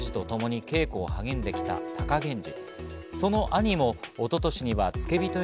富士とともに稽古に励んできた貴源治。